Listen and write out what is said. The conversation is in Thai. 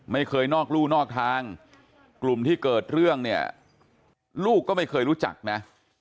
ไม่เคยนอกรู่นอกทางกลุ่มที่เกิดเรื่องเนี่ยลูกก็ไม่เคยรู้จักนะ